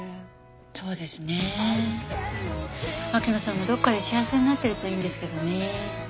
秋野さんもどこかで幸せになってるといいんですけどね。